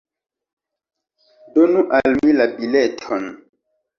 Donu al mi la bileton.